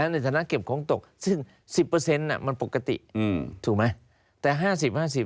ในฐานะเก็บของตกซึ่ง๑๐มันปกติถูกไหม